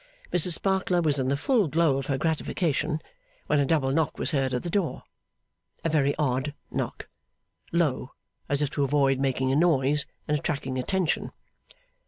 Mrs Sparkler was in the full glow of her gratification, when a double knock was heard at the door. A very odd knock. Low, as if to avoid making a noise and attracting attention.